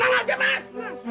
tenang aja mas